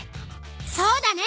そうだね！